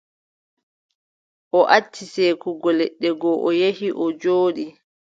O acci seekugo leɗɗe go, o yehi, o jooɗi.